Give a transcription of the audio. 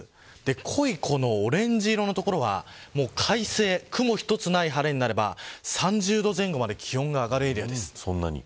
濃いこのオレンジ色の所は快晴、雲一つない晴れになれば３０度前後まで気温が上がるエリアです。